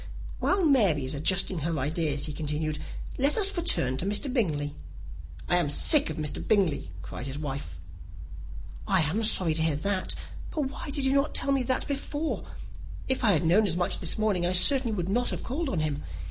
"While Mary is adjusting her ideas," he continued, "let us return to Mr. Bingley." "I am sick of Mr. Bingley," cried his wife. "I am sorry to hear that; but why did you not tell me so before? If I had known as much this morning, I certainly would not have called on him.